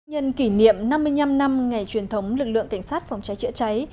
nhân kỷ niệm năm mươi năm năm ngày truyền thống lực lượng cảnh sát phòng cháy chữa cháy